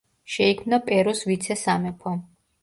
შეიქმნა პერუს ვიცე-სამეფო.